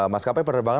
mas kapal penerbangan